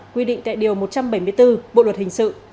quy định tại điều một trăm bảy mươi bốn bộ luật hình sự